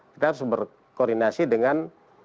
kita harus berkoordinasi dengan